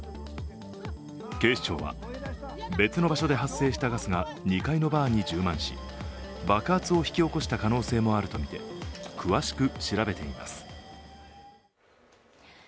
警視庁は、別の場所で発生したガスが２階のバーに充満し爆発を引き起こした可能性もあるとみて詳しく調べています。